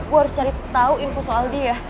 gue harus cari tahu info soal dia